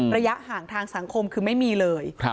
ระยะห่างทางสังคมคือไม่มีเลย